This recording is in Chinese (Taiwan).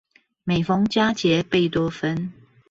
每逢佳節貝多芬